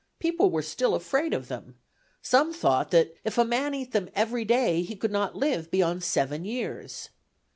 People were still afraid of them: some thought that "if a man eat them every day he could not live beyond seven years."